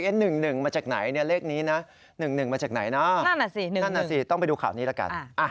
บางคนจะมีความสุขบางคนแล้วกัน